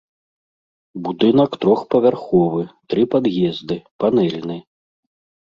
Будынак трохпавярховы, тры пад'езды, панэльны.